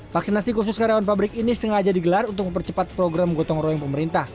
vaksinasi khusus karyawan pabrik ini sengaja digelar untuk mempercepat program gotong royong pemerintah